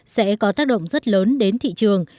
sẽ có tác động rất lớn đến thị trường